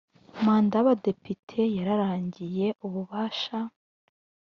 manda y abadepite yararangiye ububasha